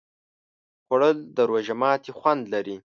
خوړل د روژه ماتي خوند لري